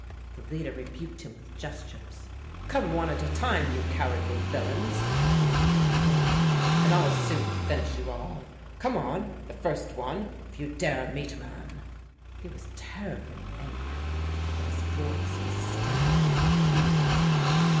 The leader rebuked him with gestures. "Come one at a time, you cowardly villains," repeated Coleman, "and I'll soon finish you all. Come on, the first one, if you dare meet a man!" He was terribly angry, but his voice was steady and even.